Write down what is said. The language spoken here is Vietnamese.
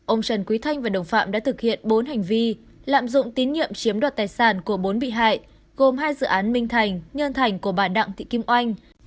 ông trần quý thanh và đồng phạm đã thực hiện bốn hành vi lạm dụng tín nhiệm chiếm đoạt tài sản của bốn bị hại gồm hai dự án minh thành nhân thành của bà đặng thị kim oanh